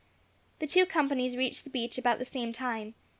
The two companies reached the beach about the same time.